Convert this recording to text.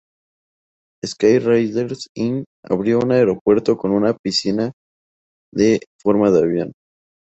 Sky Raiders Inn abrió en el aeropuerto con una piscina de forma de avión.